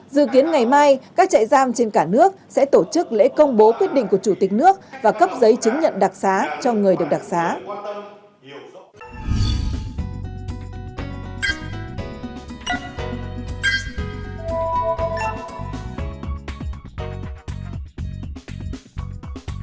dự kiến ngày mai các trại giam trên cả nước sẽ tổ chức lễ công bố quyết định của chủ tịch nước và cấp giấy chứng nhận đặc xá cho người được đặc xá